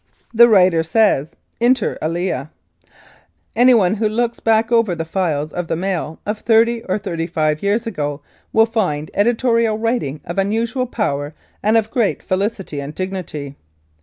The writer says, inter alia, "Anyone who looks back over the files of The Matt of thirty or thirty five years ago will find editorial writing of unusual power and of great felicity and dignity.